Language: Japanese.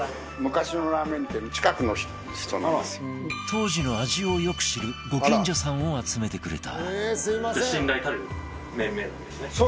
当時の味をよく知るご近所さんを集めてくれた